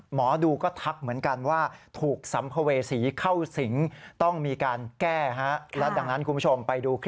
หมอดูก็ทักเหมือนกันว่าถูกสัมภเวษีเข้าสิงต้องมีการแก้